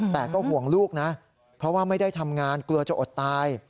แต่ก็ห่วงลูกนะเพราะว่าไม่ได้ทำงานกลัวจะอดตาย